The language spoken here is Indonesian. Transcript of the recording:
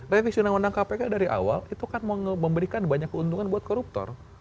revisi undang undang kpk dari awal itu kan memberikan banyak keuntungan buat koruptor